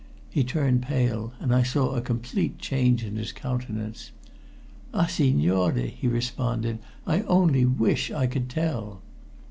He turned pale, and I saw a complete change in his countenance. "Ah, signore!" he responded, "I only wish I could tell."